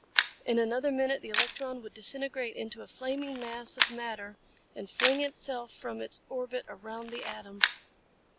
In another minute the electron would disintegrate into a flaming mass of matter and fling itself from its orbit around the atom.